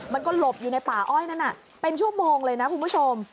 มันก็หลบอยู่ในป่าอ้อยนั้นเป็นชั่วโมงเลยนะคุณผู้ชม